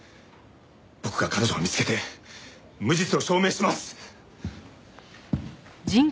僕が彼女を見つけて無実を証明します！